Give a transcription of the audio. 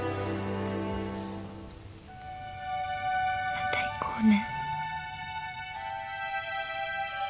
また行こうね。